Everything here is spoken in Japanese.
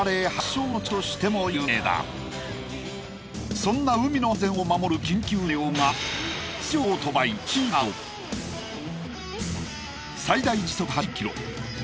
そんな海の安全を守る緊急車両が最大時速８０キロ。